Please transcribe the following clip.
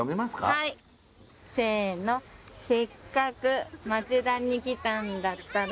はいせの「せっかく町田に来たんだったら」